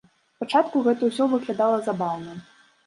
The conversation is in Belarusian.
Спачатку гэта ўсё выглядала забаўна.